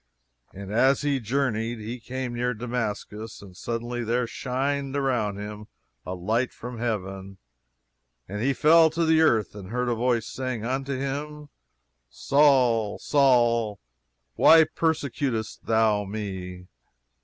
"And as he journeyed, he came near Damascus, and suddenly there shined round about him a light from heaven: "And he fell to the earth and heard a voice saying unto him, 'Saul, Saul, why persecutest thou me?'